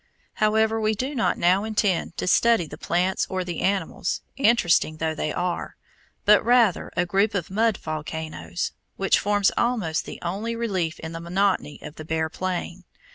However we do not now intend to study the plants or the animals, interesting though they are, but rather a group of mud volcanoes, which forms almost the only relief in the monotony of the bare plain.